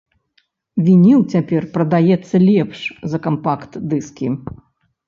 Вініл цяпер прадаецца лепш за кампакт-дыскі.